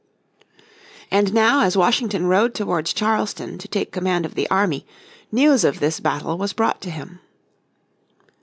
And now as Washington rode towards Charleston to take command of the army, news of this battle was brought to him.